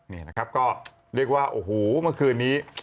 นี่นะครับก็เรียกว่าโอ้โหเมื่อคืนนี้